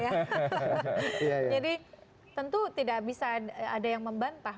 jadi tentu tidak bisa ada yang membantah